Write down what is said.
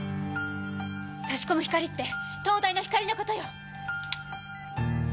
差し込む光って灯台の光のことよ。